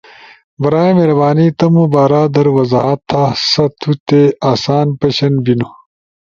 برائے مہربانی تمو بارا در وضاحت تھا سا تو تے آسان پشن بینو۔